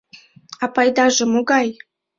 А пайдаже могай?